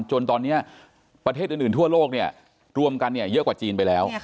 จนตอนนี้ประเทศอื่นทั่วโลกเนี่ยรวมกันเยอะกว่าจีนไปแล้ว